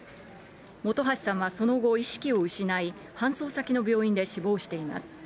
本橋さんはその後、意識を失い、搬送先の病院で死亡しています。